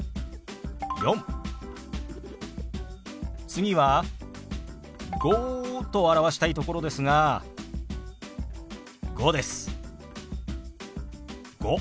次は「５」と表したいところですが「５」です。